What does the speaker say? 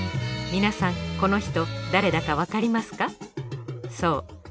皆さんこの人誰だかわかりますか？